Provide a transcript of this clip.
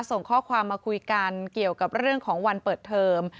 ส่งข้อความมาคุยกันเกี่ยวกับเรื่องของวันเปิดเทอม